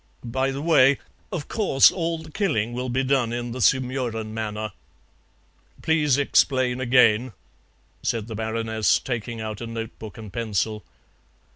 By the way, of course all the killing will be done in the Sumurun manner." "Please explain again," said the Baroness, taking out a notebook and pencil.